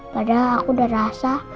padahal aku udah rasa